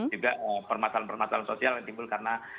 juga permasalahan permasalahan sosial yang timbul karena